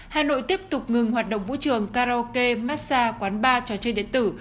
hà nội tiếp tục ngừng hoạt động vũ trường karaoke massage quán bar trò chơi điện tử